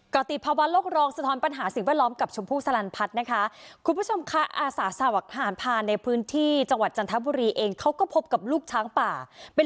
กรติภาวะโลกรองสะท้อนปัญหาสิ่งแวดล้อมกับชมพู่สลันพัฒน์นะคะคุณผู้ชมค่ะอาสาสมัครหารผ่านในพื้นที่จังหวัดจันทบุรีเองเขาก็พบกับลูกช้างป่าเป็น